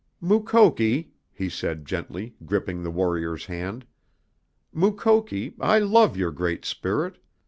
"Mukoki," he said gently, gripping the warrior's hand, "Mukoki I love your Great Spirit!